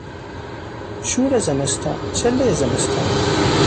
شور زمستان، چلهی زمستان